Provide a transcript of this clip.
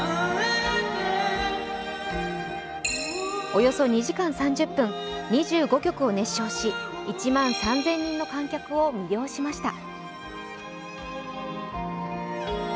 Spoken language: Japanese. およそ２時間３０分２５曲を熱唱し、１万３０００人の観客を魅了しました。